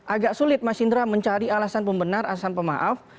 agak sulit mas indra mencari alasan pembenar alasan pemaaf